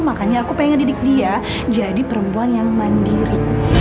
makanya aku pengen didik dia jadi perempuan yang mandiri